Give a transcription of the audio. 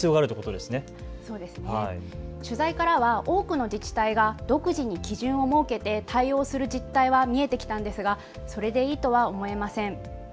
取材からは多くの自治体が独自に基準を設けて対応する実態は見えてきたんですがそれでいいとは思えません。